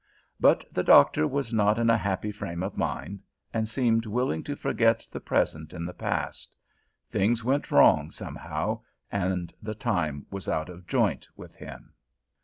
But the doctor was not in a happy frame of mind, and seemed willing to forget the present in the past: things went wrong, somehow, and the time was out of joint with him.